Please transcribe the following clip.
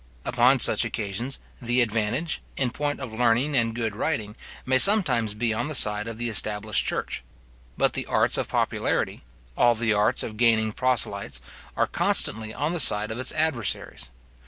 Upon such occasions, the advantage, in point of learning and good writing, may sometimes be on the side of the established church. But the arts of popularity, all the arts of gaining proselytes, are constantly on the side of its adversaries.